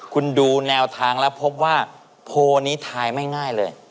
คุณดูแนวทางแล้วพบว่าโพลนี้ทายไม่ง่ายเลย